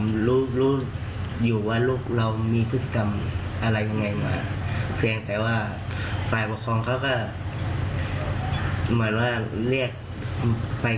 ผมรู้อยู่ว่าลูกเรามีพฤติกรรมอะไรอย่างไรหรือเปล่า